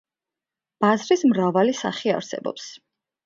ბაზრის მრავალი სახე არსებობს.